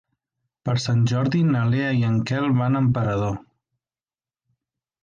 Per Sant Jordi na Lea i en Quel van a Emperador.